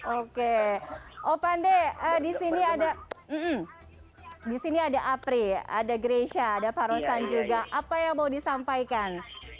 oke opande di sini ada apri ada grecia ada parosan juga apa yang mau disampaikan